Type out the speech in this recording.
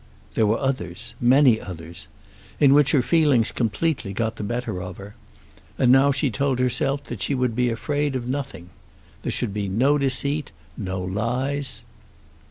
There were others, many others, in which her feelings completely got the better of her. And now she told herself that she would be afraid of nothing. There should be no deceit, no lies!